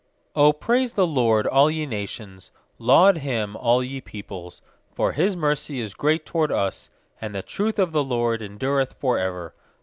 1 1 *7 0 praise the LORD, all ye nations; Laud Him, all ye peoples. 2 For His mercy is great toward us; And the truth of the LORD en dureth for ever.